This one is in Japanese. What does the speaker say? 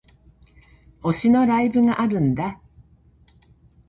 推しのライブがあるんだ